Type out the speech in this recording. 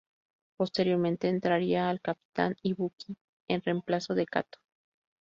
Posteriormente entraría el Capitán Ibuki en reemplazo de Kato.